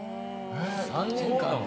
３年間で。